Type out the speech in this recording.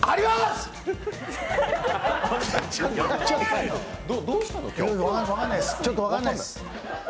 ちょっと待って、分かんないです。